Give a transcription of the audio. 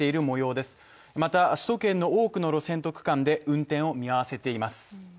また首都圏の多くの路線と区間で運転を見合わせています。